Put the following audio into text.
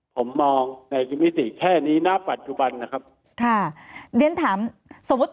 ผมมองในมิติแค่นี้ณปัจจุบันนะครับค่ะเรียนถามสมมุติ